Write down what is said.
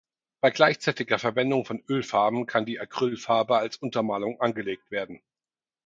Bei gleichzeitiger Verwendung von Ölfarben kann die Acrylfarbe als Untermalung angelegt werden.